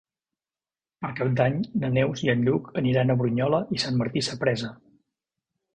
Per Cap d'Any na Neus i en Lluc aniran a Brunyola i Sant Martí Sapresa.